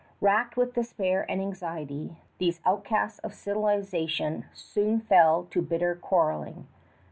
Racked with despair and anxiety, these outcasts of civilization soon fell to bitter quarreling.